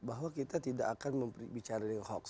bahwa kita tidak akan membicara dengan hoax